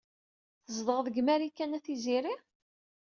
Tzedɣeḍ deg Marikan a Tiziri?